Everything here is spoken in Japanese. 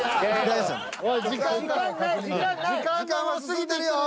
時間は過ぎてるよ。